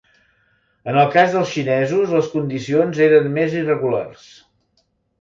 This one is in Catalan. En el cas dels xinesos les condicions eren més irregulars.